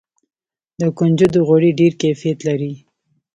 د کنجدو غوړي ډیر کیفیت لري.